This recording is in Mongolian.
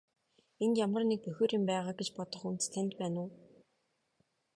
Энд ямар нэг бохир юм байгаа гэж бодох үндэс танд байна уу?